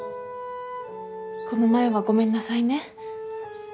この前はごめんなさいね。